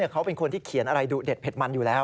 เขาเป็นคนที่เขียนอะไรดุเด็ดเผ็ดมันอยู่แล้ว